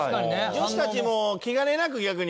女子たちも気兼ねなく逆に。